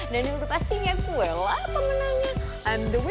dan yang pasti gue lah pemenangnya